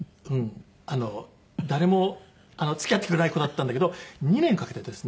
誰も付き合ってくれない子だったんだけど２年かけてですね